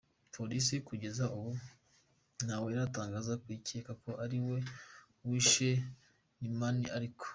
Polisi kugeza ubu ntawe iratangaza ko icyeka ko ari we wishe NuMoney ariko.